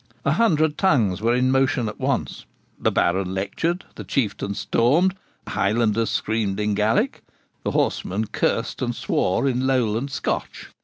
A hundred tongues were in motion at once. The Baron lectured, the Chieftain stormed, the Highlanders screamed in Gaelic, the horsemen cursed and swore in Lowland Scotch.